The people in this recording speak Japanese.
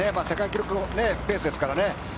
世界記録ペースですからね。